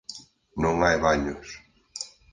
Non hai baños.